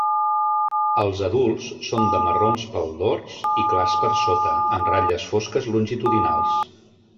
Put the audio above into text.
Els adults són de marrons pel dors i clars per sota, amb ratlles fosques longitudinals.